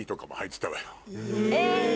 え！